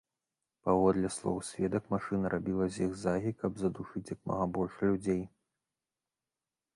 Паводле слоў сведак, машына рабіла зігзагі, каб задушыць як мага больш людзей.